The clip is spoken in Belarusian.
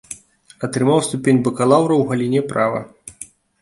Атрымаў ступень бакалаўра ў галіне права.